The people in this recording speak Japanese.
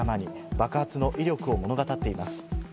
爆発の威力を物語っています。